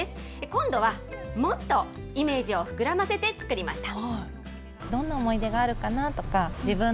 今度はもっとイメージを膨らませて作りました。